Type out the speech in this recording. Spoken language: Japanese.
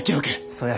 そや。